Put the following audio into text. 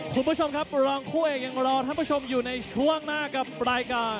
คุณผู้ชมครับรองคู่เอกยังรอท่านผู้ชมอยู่ในช่วงหน้ากับรายการ